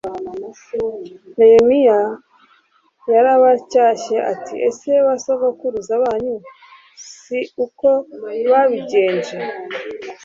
Nehemiya yarabacyashye ati Ese ba sokuruza banyu si uko babigenje